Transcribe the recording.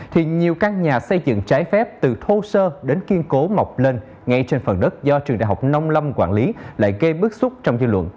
thì nhiều căn nhà xây dựng trái phép từ thô sơ đến kiên cố mọc lên ngay trên phần đất do trường đại học nông lâm quản lý lại gây bức xúc trong dư luận